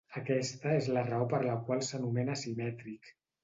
Aquesta és la raó per la qual s'anomena asimètric.